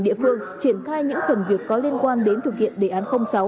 địa phương triển khai những phần việc có liên quan đến thực hiện đề án sáu